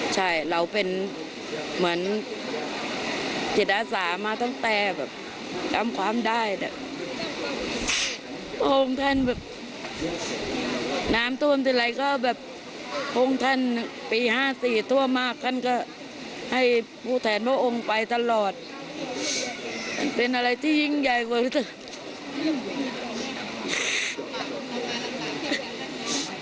ใช่เราเป็นเหมือนจิตอาสามาตั้งแต่แบบจำความได้เนี่ยพระองค์ท่านแบบน้ำท่วมทีไรก็แบบพระองค์ท่านปี๕๔ทั่วมากท่านก็ให้ผู้แทนพระองค์ไปตลอดเป็นอะไรที่ยิ่งใหญ่กว่าที่สุด